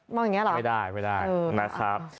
ไม่ได้ไม่ได้นะครับ